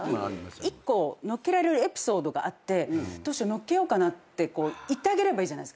１個のっけられるエピソードがあってどうしようのっけようかな？っていってあげればいいじゃないですか。